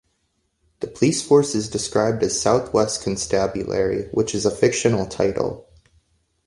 The police force is described as "South West Constabulary", which is a fictional title.